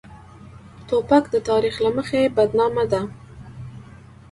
توپک د تاریخ له مخې بدنامه ده.